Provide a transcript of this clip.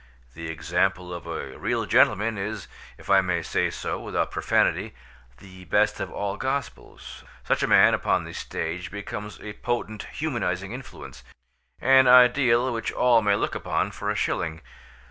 The example of a real gentleman is, if I may say so without profanity, the best of all gospels; such a man upon the stage becomes a potent humanising influence, an Ideal which all may look upon for a shilling.